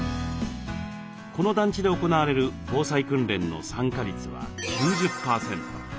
この団地で行われる防災訓練の参加率は９０％。